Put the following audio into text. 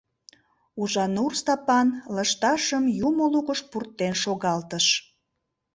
Ужанур Стапан «лышташым» юмо лукыш пуртен шогалтыш.